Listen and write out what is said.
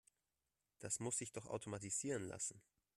Das muss sich doch automatisieren lassen.